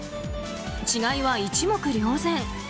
違いは一目瞭然。